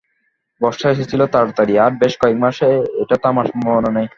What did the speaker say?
বর্ষা এসেছিল তাড়াতাড়ি, আর বেশ কয়েক মাস এটা থামার সম্ভাবনা নেই।